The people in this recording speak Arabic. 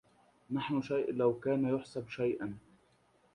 نحن شيء لو كان يحسب شيئا